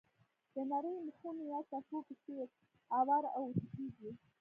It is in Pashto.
د نریو مخونو یا صفحو په څېر اوار او اوتو کېږي.